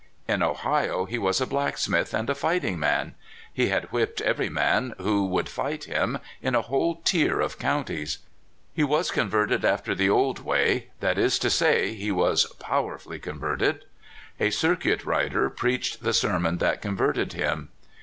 In Ohio he was a blacksmith and a fighting man. He had whipped every man who would fight him, in a whole tier of counties. He was converted after the old way — that is to say, he was *' power fully " converted. A circuit rider preached the sermon that converted him.